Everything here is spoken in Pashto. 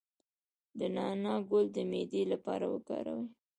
د نعناع ګل د معدې لپاره وکاروئ